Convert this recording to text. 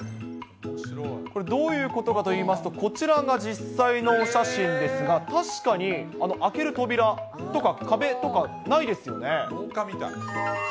これどういうことかといいますと、こちらが実際のお写真ですが、確かに開ける扉とか、壁とかないですよね。